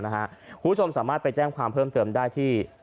คุณผู้ชมสามารถไปแจ้งความเพิ่มเติมได้ที่